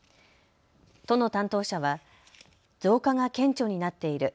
都の担当者は増加が顕著になっている。